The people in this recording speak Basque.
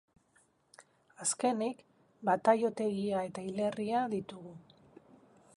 Azkenik, bataiotegia eta hilerria ditugu.